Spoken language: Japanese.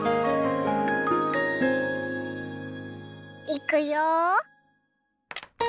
いくよ。